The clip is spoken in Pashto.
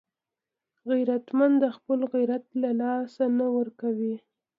غیرتمند د خپلو عزت له لاسه نه ورکوي